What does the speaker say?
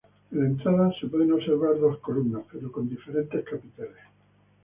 En la entrada se pueden observar dos columnas pero con diferentes capiteles.